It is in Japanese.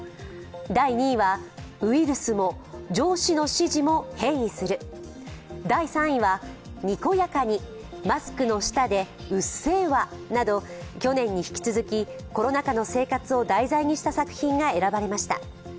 第２位は「ウイルスも上司の指示も変異する」、第３位は「にこやかにマスクの下で「うっせぇわ！」」など去年に引き続き、コロナ禍の生活を題材にした作品が選ばれました。